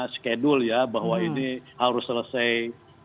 skedul ya bahwa ini harus selesai